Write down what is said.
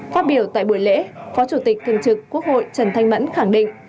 phát biểu tại buổi lễ phó chủ tịch thường trực quốc hội trần thanh mẫn khẳng định